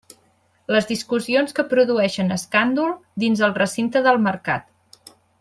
Les discussions que produeixen escàndol, dins el recinte del mercat.